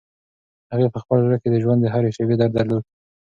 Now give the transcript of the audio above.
هغې په خپل زړه کې د ژوند د هرې شېبې درد درلود.